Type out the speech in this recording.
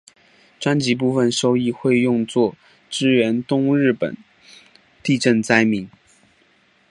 专辑部分收益会用作支援东日本地震灾民。